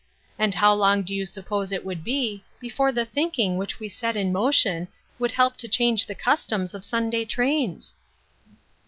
And how long do you suppose it would be before the thinking which we set in motion would help to change the customs of Sunday trains